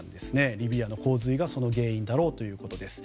リビアの洪水がその原因だろうということです。